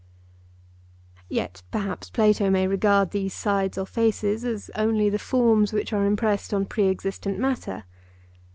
Yet perhaps Plato may regard these sides or faces as only the forms which are impressed on pre existent matter.